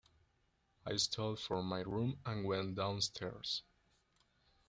I stole from my room and went downstairs.